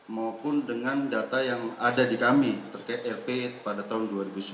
maupun dengan data yang ada di kami terkait rp pada tahun dua ribu sembilan belas